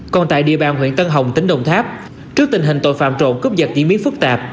còn tại địa bàn huyện tân hồng tỉnh đồng tháp trước tình hình tội phạm trộm cướp giật diễn biến phức tạp